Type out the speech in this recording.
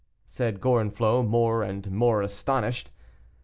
said Gorenflot, more and more astonished.